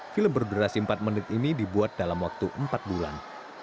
film berdurasi empat menit ini dibuat dalam waktu empat bulan